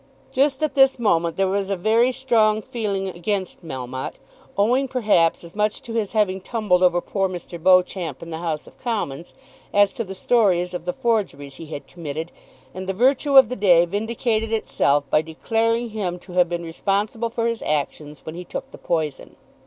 Just at this moment there was a very strong feeling against Melmotte, owing perhaps as much to his having tumbled over poor Mr. Beauclerk in the House of Commons as to the stories of the forgeries he had committed, and the virtue of the day vindicated itself by declaring him to have been responsible for his actions when he took the poison.